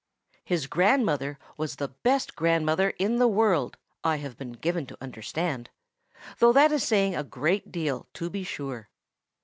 His grandmother was the best grandmother in the world, I have been given to understand, though that is saying a great deal, to be sure.